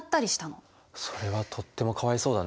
それはとってもかわいそうだね。